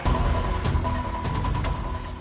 gusti yang agung